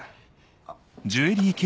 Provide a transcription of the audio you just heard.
あっ。